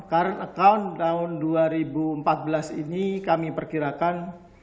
current account tahun dua ribu empat belas ini kami perkirakan